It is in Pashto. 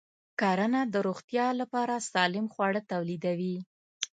کرنه د روغتیا لپاره سالم خواړه تولیدوي.